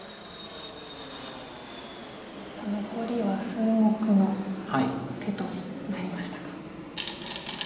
さあ残りは数目の手となりましたか。